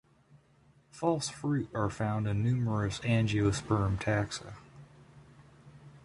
False fruit are found in numerous Angiosperm taxa.